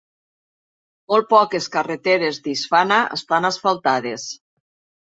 Molt poques carreteres d'Isfana estan asfaltades.